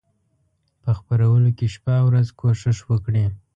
په خپرولو کې شپه او ورځ کوښښ وکړي.